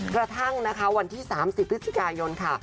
กระทั่งนะคะวันที่๓๐พฤศจิกายนค่ะ